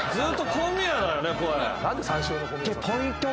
小宮だよね？